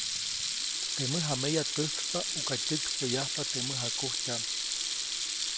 Teʼ mäjameya täjtspa ʼuka tyäkpäʼyajpa teʼ mäjakujtyaʼm.